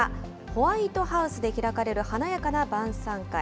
ホワイトハウスで開かれる華やかな晩さん会。